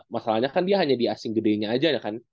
masalahnya kan dia hanya di asing gedenya aja ya kan